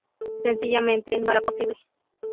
Sencillamente no era posible.